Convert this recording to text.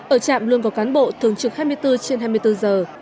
ở trạm luôn có cán bộ thường trực hai mươi bốn trên hai mươi bốn giờ